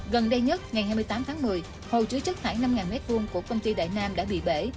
gần đây nhất ngày hai mươi tám tháng một mươi hồ chứa chất thải năm m hai của công ty đại nam đã bị bể